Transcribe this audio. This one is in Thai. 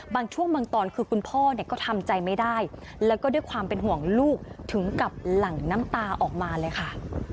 บางช่วงบางตอนคือคุณพ่อเนี่ยก็ทำใจไม่ได้แล้วก็ด้วยความเป็นห่วงลูกถึงกับหลั่งน้ำตาออกมาเลยค่ะ